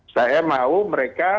saya mau mereka memiliki